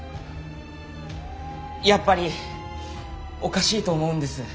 やっぱりおかしいと思うんです。